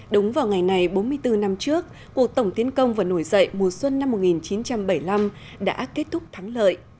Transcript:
đúng vào ngày này bốn mươi bốn năm trước cuộc tổng tiến công và nổi dậy mùa xuân năm một nghìn chín trăm bảy mươi năm đã kết thúc thắng lợi